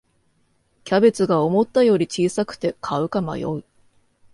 キャベツが思ったより小さくて買うか迷う